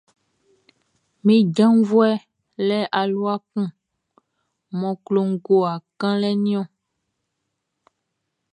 Min janvuɛʼn le alua kun mʼɔ klo ngowa kanlɛʼn niɔn.